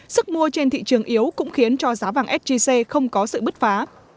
sức mua trên thị trường yếu cũng khiến cho giá vàng sgc không có sự bứt phá